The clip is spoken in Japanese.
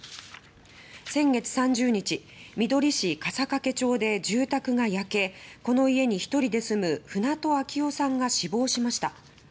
先月３０日みどり市笠懸町で住宅が焼けこの家に一人で住む船戸秋雄さんが死亡しました。